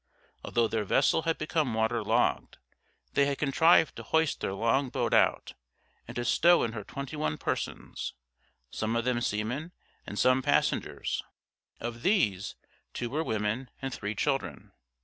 Although their vessel had become water logged, they had contrived to hoist their long boat out, and to stow in her twenty one persons, some of them seamen and some passengers; of these, two were women, and three children.